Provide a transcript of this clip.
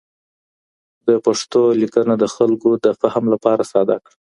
ده پښتو ليکنه د خلکو د فهم لپاره ساده کړه